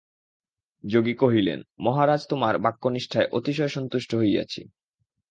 যোগী কহিলেন, মহারাজ তোমার বাক্যনিষ্ঠায় অতিশয় সন্তুষ্ট হইয়াছি।